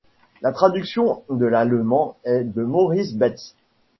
La traduction de l'allemand est de Maurice Betz.